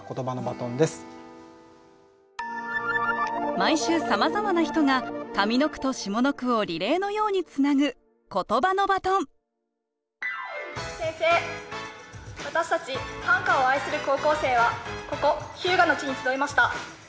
毎週さまざまな人が上の句と下の句をリレーのようにつなぐ宣誓私たち短歌を愛する高校生はここ日向の地に集いました。